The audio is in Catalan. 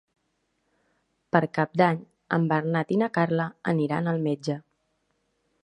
Per Cap d'Any en Bernat i na Carla aniran al metge.